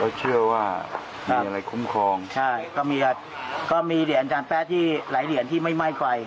แล้วเชื่อว่ามีอะไรคุ้มครองใช่ก็มีเหรียญทางแป๊คที่หลายเหรียญที่ไม่ไหม้ไว้